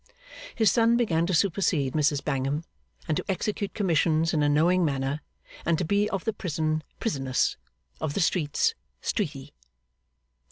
His son began to supersede Mrs Bangham, and to execute commissions in a knowing manner, and to be of the prison prisonous, of the streets streety.